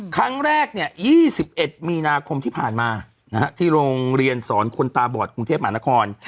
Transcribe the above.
ครั้งแรก๒๑มีนาคมที่ผ่านมาที่โรงเรียนสอนคนตาบอดกรุงเทพหมานคร